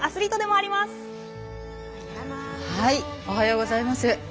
おはようございます。